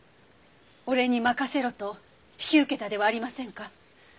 俺に任せろと引き受けたではありませんか。